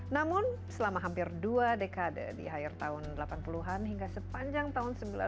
namun selama hampir dua dekade di akhir tahun delapan puluh an hingga sepanjang tahun seribu sembilan ratus sembilan puluh